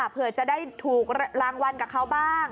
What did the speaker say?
เผื่อจะได้ถูกรางวัลกับเขาบ้าง